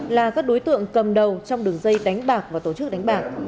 là các đối tượng cầm đầu trong đường dây đánh bạc và tổ chức đánh bạc